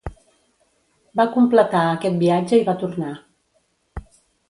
Va completar aquest viatge i va tornar.